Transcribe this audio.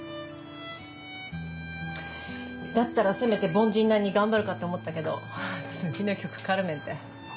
だったらせめて凡人なりに頑張るかって思ったけど次の曲『カルメン』って。